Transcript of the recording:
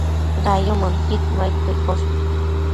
Dayumënquid nuaidquio iccosh